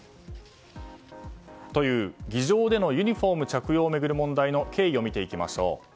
議場でのユニホーム着用を巡る問題の経緯を見ていきましょう。